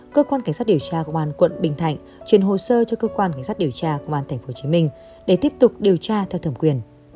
cơ quan cảnh sát điều tra công an quận bình thạnh chuyển hồ sơ cho cơ quan cảnh sát điều tra công an tp hcm để tiếp tục điều tra theo thẩm quyền